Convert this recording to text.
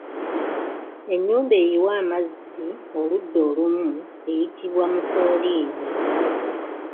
Ennyumba eyiwa amazzi oludda olumu eyitibwa Musooliini.